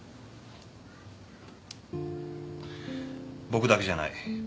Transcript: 僕だけじゃない。